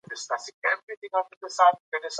زموږ بیرغ زموږ د هویت نښه ده.